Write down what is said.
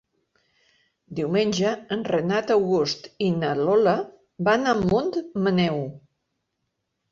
Diumenge en Renat August i na Lola van a Montmaneu.